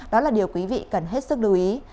đó là điều quý vị cần hết sức lưu ý